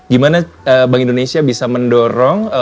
gimana bank indonesia bisa mendorong